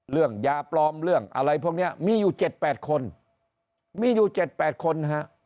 ยาปลอมเรื่องอะไรพวกนี้มีอยู่๗๘คนมีอยู่๗๘คนฮะ